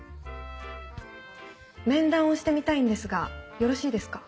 面談をしてみたいんですがよろしいですか？